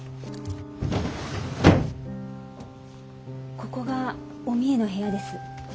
ここがお三枝の部屋です。